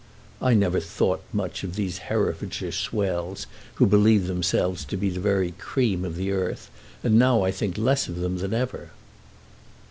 I never thought much of these Herefordshire swells who believe themselves to be the very cream of the earth, and now I think less of them than ever."